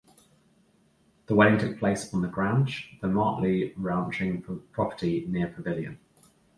The wedding took place on The Grange, the Martley ranching property near Pavilion.